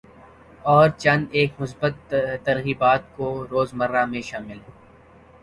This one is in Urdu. اور چند ایک مثبت ترغیبات کو روزمرہ میں شامل